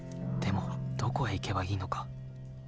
でもどこへ行けばいいのか。